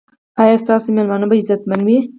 ایا ستاسو میلمانه به عزتمن وي؟